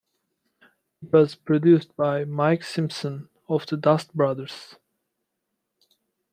It was produced by Mike Simpson of the Dust Brothers.